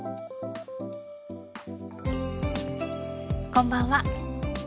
こんばんは。